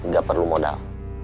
gak perlu modal